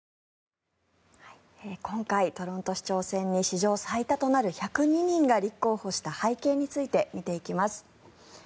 今回、トロント市長選に史上最多となる１０２人が立候補した背景について見ていきます。